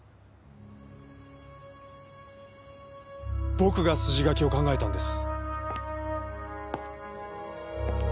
僕が筋書きを考えたんです。